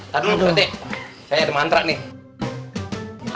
tadul pak rt saya ada mantra nih